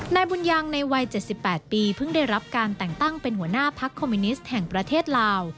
นายบุญยังในวัย๗๘ปีเพิ่งได้รับการแต่งตั้งเป็นหัวหน้าพักคอมมิวนิสต์แห่งประเทศลาว